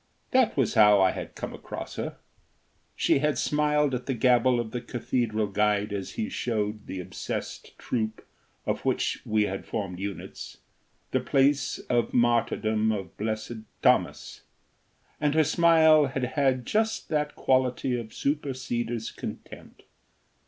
That was how I had come across her. She had smiled at the gabble of the cathedral guide as he showed the obsessed troop, of which we had formed units, the place of martyrdom of Blessed Thomas, and her smile had had just that quality of superseder's contempt.